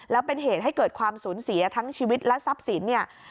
แล้วเป็นเหตุให้เกิดความสูญเสียทั้งชีวิตและทรัพย์สินเนี่ย